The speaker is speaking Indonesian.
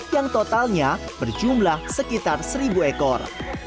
yang totalnya berjumlah sekitar seribu ekor